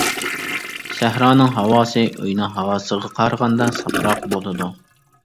سەھرانىڭ ھاۋاسى ئۆينىڭ ھاۋاسىغا قارىغاندا ساپراق بولىدۇ.